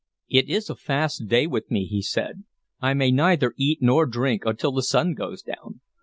"It is a fast day with me," he said. "I may neither eat nor drink until the sun goes down.